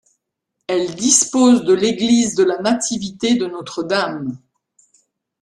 Elle dispose de l’église de la Nativité-de-Notre-Dame.